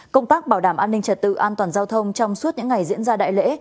công tác bảo đảm an ninh trật tự an toàn giao thông trong suốt những ngày diễn ra đại lễ